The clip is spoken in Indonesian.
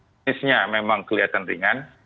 klinisnya memang kelihatan ringan